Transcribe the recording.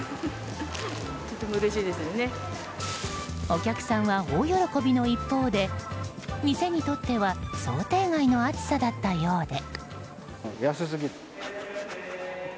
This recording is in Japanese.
お客さんは大喜びの一方で店にとっては想定外の暑さだったようで。